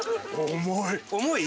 重い。